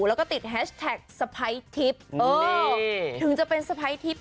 แล้วก็ติดแฮชแท็กสไพท์ทิปเออนี่ถึงจะเป็นสไพท์ทิป